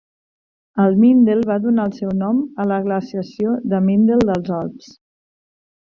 El Mindel va donar el seu nom a la Glaciació de Mindel dels Alps.